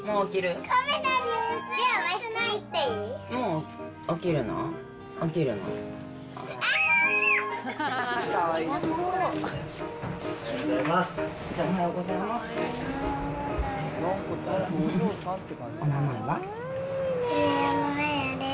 おはようございます。